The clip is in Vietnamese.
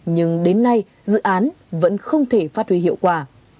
nhưng đến nay dự án vẫn không thể phát huy hiệu quả